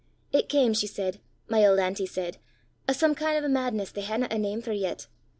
It cam, she said my auld auntie said o' some kin' o' madness they haena a name for yet.